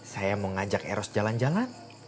saya mau ngajak eros jalan jalan